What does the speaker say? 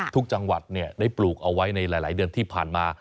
จังหวัดได้ปลูกเอาไว้ในหลายเดือนที่ผ่านมา